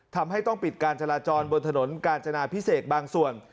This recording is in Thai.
ทำให้ต้องปิดการจราจรบนถนนกาญจนาพิเศษบางส่วน